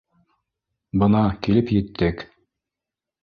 Бына, килеп еттек